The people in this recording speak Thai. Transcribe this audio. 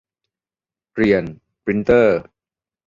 เรียน ปรินท์เตอร์